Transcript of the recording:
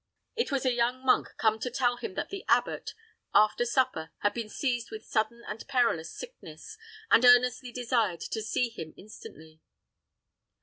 It was a young monk come to tell him that the abbot, after supper, had been seized with sudden and perilous sickness, and earnestly desired to see him instantly.